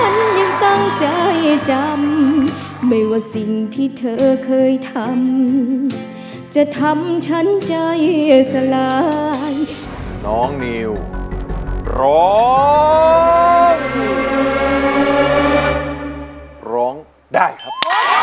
น้องนิวร้องร้องได้ครับ